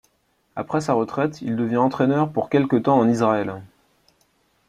Après sa retraite, il devient entraîneur pour quelque temps en Israël.